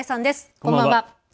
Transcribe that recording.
こんばんは。